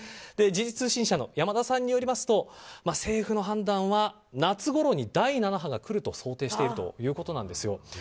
時事通信社の山田さんによりますと政府の判断は夏ごろに第７波がくると想定しているということです。